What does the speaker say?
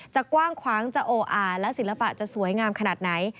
กว้างขวางจะโออาและศิลปะจะสวยงามขนาดไหน